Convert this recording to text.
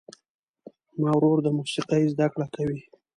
زما ورور د موسیقۍ زده کړه کوي.